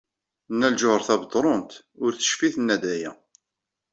Nna Lǧuheṛ Tabetṛunt ur tecfi tenna-d aya.